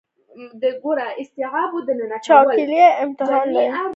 وچکالي امتحان دی.